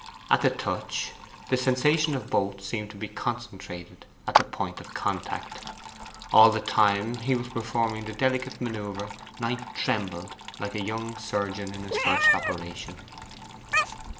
At the touch, the sensation of both seemed to be concentrated at the point of contact. All the time he was performing the delicate manoeuvre Knight trembled like a young surgeon in his first operation.